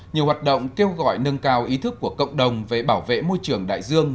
nhiều hoạt động kêu gọi nâng cao ý thức của cộng đồng về bảo vệ môi trường đại dương